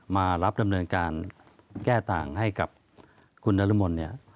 มารับดำเนินการแก้ต่างให้กับคุณนรมนเนี่ย